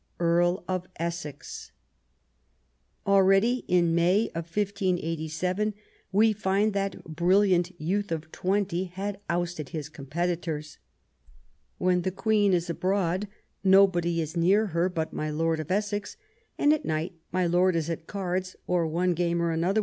Earl of Essex. Already m May. 1587, we find that the brilliant youth of twenty had ousted his competitors. '* When the Queen is abroad, nobody is near her but my Lord of Essex ; and at night, my Lord is at cards, or one game or another